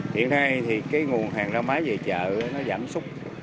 hiện nay nguồn hàng rau má về chợ giảm súc